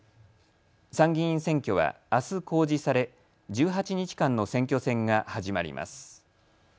参議院選挙はあす公示され１８日間の選挙戦が始まります。